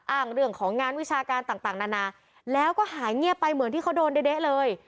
เรื่องของงานวิชาการต่างนานาแล้วก็หายเงียบไปเหมือนที่เขาโดนเด๊ะเลย